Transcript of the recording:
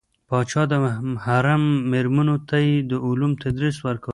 پاچا د حرم میرمنو ته یې علوم تدریس کول.